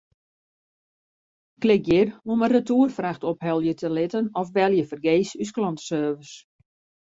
Klik hjir om in retoerfracht ophelje te litten of belje fergees ús klanteservice.